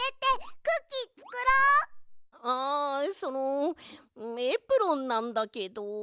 あそのエプロンなんだけど。